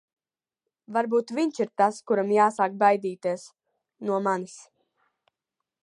Varbūt viņš ir tas, kuram jāsāk baidīties... no manis.